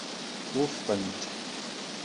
Wufqent.